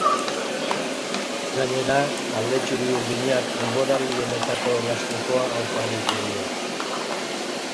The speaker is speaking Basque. Gainera, talde txuri-urdinak denboraldi honetako elastikoa oparitu dio.